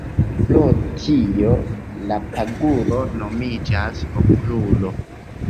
Pro tio, la paguro nomiĝas Okrulo.